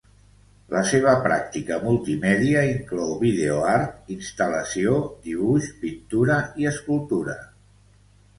La seva pràctica multimèdia inclou videoart, instal·lació, dibuix, pintura i escultura.